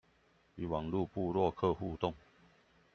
與網路部落客互動